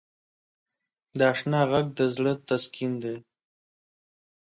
د اشنا ږغ د زړه تسکین دی.